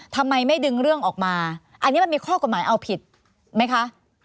ทำไมไม่ดึงเรื่องออกมาอันนี้มันมีข้อกฎหมายเอาผิดไหมคะ